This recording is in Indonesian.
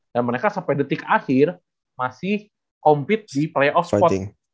dan mereka sampai detik akhir masih compete di playoff spot